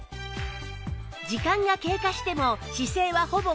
時間が経過しても姿勢はほぼ変わらず